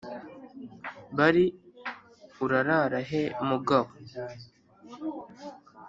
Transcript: bari urarara he mugabo